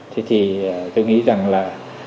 thì tôi nghĩ rằng là